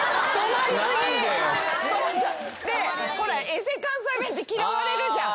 エセ関西弁って嫌われるじゃん。